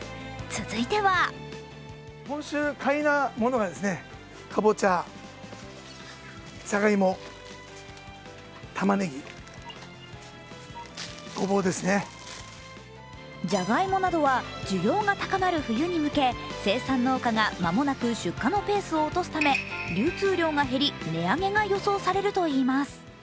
続いてはじゃがいもなどは、需要が高まる冬に向け生産農家が間もなく出荷のペースを落とすため、流通量が減り、値上げが予想されるといいます。